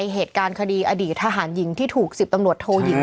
เหตุการณ์คดีอดีตทหารหญิงที่ถูก๑๐ตำรวจโทยิง